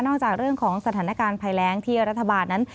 จากเรื่องของสถานการณ์ภัยแรงที่รัฐบาลนั้น